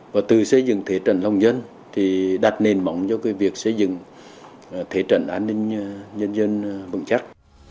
và từ xây dựng thể trận lòng dân đặt nền mỏng cho việc xây dựng thể trận an ninh dân dân vững chắc